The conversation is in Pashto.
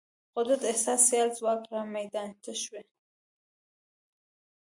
قدرت احساس سیال ځواک رامیدان ته شوی.